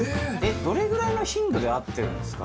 どれぐらいの頻度で会ってるんですか？